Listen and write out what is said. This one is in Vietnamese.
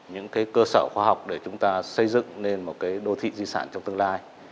những cơ sở khoa học để chúng ta xây dựng nên một đô thị di sản trong tương lai